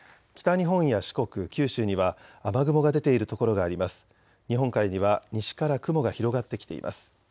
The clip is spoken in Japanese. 日本海には西から雲が広がってきています。